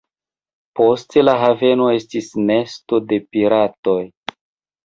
Poste la haveno estis nesto de piratoj.